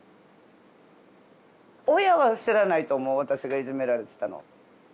親は知らないと思う私がいじめられてたのは。